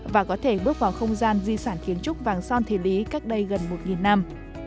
và có thể bước vào không gian di sản kiến trúc vàng son thời lý cách đây gần một năm